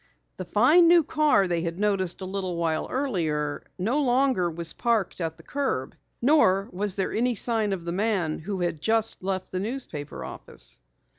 The fine new car they had noticed a little while earlier no longer was parked at the curb. Nor was there any sign of the man who had just left the newspaper office.